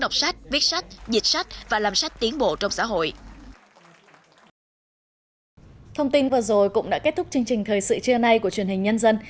đọc sách viết sách dịch sách và làm sách tiến bộ trong xã hội